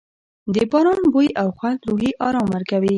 د باران بوی او خوند روحي آرام ورکوي.